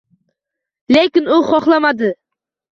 Lekin u xohlamadi